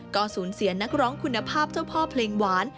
ก็สูญเสียนักร้องคุณภาพเจ้าพ่อเพลงหวาน